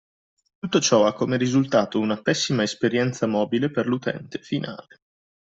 Tutto ciò ha come risultato una pessima esperienza mobile per l’utente finale.